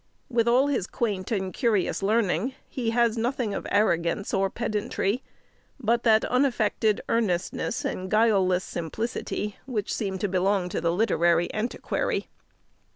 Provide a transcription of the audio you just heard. With all his quaint and curious learning, he has nothing of arrogance or pedantry; but that unaffected earnestness and guileless simplicity which seem to belong to the literary antiquary.